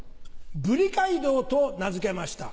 ブリ街道と名付けました。